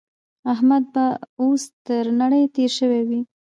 احمد به اوس تر نړۍ تېری شوی وي.